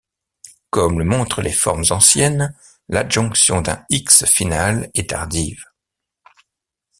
Comme le montrent les formes anciennes, l'adjonction d'un -X final est tardive.